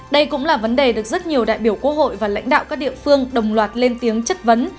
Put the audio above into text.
đây cũng là vấn đề được rất nhiều đại biểu quốc hội và lãnh đạo các địa phương đồng loạt lên tiếng chất vấn